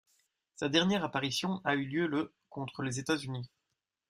Sa dernière apparition a lieu le contre les États-Unis.